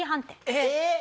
えっ！